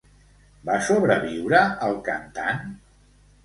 Va sobreviure el cantant?